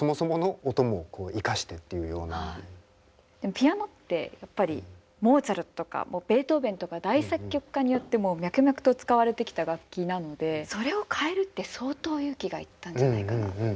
ピアノってやっぱりモーツァルトとかベートーベンとか大作曲家によってもう脈々と使われてきた楽器なのでそれを変えるって相当勇気がいったんじゃないかな。